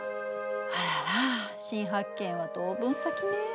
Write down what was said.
あらら新発見は当分先ね。